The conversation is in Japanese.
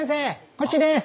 こっちです！